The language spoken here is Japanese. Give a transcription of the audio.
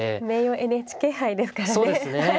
名誉ＮＨＫ杯ですからね。